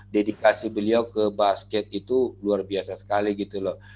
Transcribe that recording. dedikasi beliau ke basket itu luar biasa sekali gitu loh